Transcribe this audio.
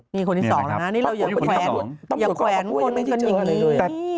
นี่คนนี้สองแล้วนะนี่เรายังเป็นแขวนยังแขวนคนไม่ได้เจออะไรด้วย